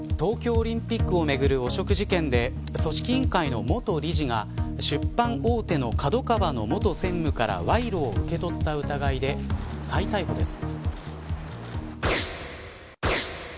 東京オリンピックをめぐる汚職事件で組織委員会の元理事が出版大手のＫＡＤＯＫＡＷＡの元専務から賄賂を受け取った疑いで再逮捕です。